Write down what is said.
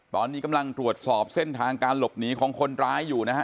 ตอนนี้กำลังตรวจสอบเส้นทางการหลบหนีของคนร้ายอยู่นะฮะ